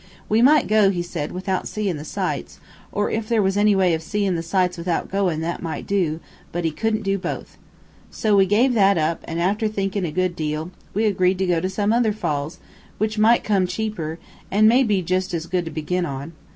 We might go, he said, without seein' the sights, or, if there was any way of seein' the sights without goin', that might do, but he couldn't do both. So we give that up, and after thinkin' a good deal, we agreed to go to some other falls, which might come cheaper, an' may be be jus' as good to begin on.